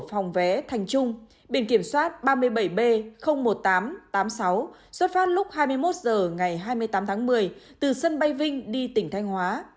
phòng vé thành trung biển kiểm soát ba mươi bảy b một nghìn tám trăm tám mươi sáu xuất phát lúc hai mươi một h ngày hai mươi tám tháng một mươi từ sân bay vinh đi tỉnh thanh hóa